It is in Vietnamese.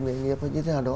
nghệ nghiệp như thế nào đó